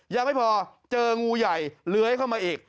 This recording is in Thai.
ยังไม่พอเจองูใหญ่เลื้อยเข้ามาอีก